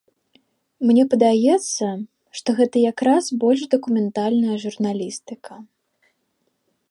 Мне падаецца, што гэта якраз больш дакументальная журналістыка.